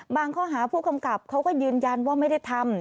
ข้อหาผู้กำกับเขาก็ยืนยันว่าไม่ได้ทำ